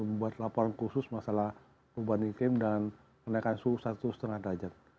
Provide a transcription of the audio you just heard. untuk membuat laporan kursus masalah pembuatan iklim dan menaikkan suhu satu lima derajat